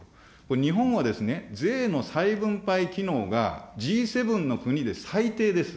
日本は税の再分配機能が、Ｇ７の国で最低です。